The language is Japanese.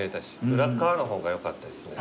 裏っ側の方がよかったですね。